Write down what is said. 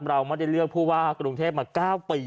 เราไม่ได้เลือกผู้ว่ากรุงเทพมา๙ปี